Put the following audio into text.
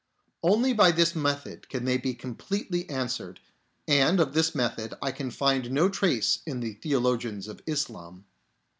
Only by this method can they be completely answered, and of this method I can find no trace in the theologians of Islam.